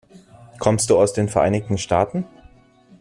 Kommst du aus den Vereinigten Staaten?